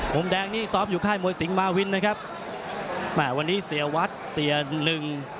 มุมแดงนี่ซ้อมอยู่ค่ายมวยสิงหมาวินนะครับแม่วันนี้เสียวัดเสียหนึ่ง